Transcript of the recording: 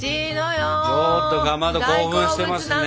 ちょっとかまど興奮してますね。